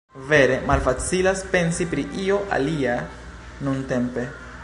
Vere, malfacilas pensi pri io alia nuntempe...